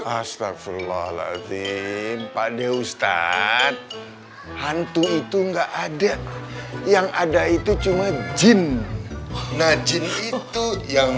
astagfirullahaladzim pak dewa ustadz hantu itu enggak ada yang ada itu cuma jin najib itu yang